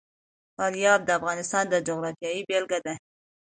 فاریاب د افغانستان د جغرافیې بېلګه ده.